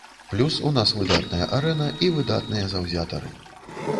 Плюс у нас выдатная арэна і выдатныя заўзятары.